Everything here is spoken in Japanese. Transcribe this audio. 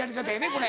これ。